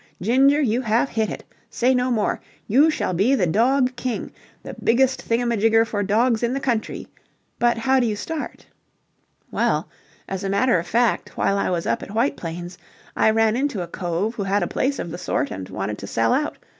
Ginger, you have hit it. Say no more. You shall be the Dog King, the biggest thingamajigger for dogs in the country. But how do you start?" "Well, as a matter of fact, while I was up at White Plains, I ran into a cove who had a place of the sort and wanted to sell out.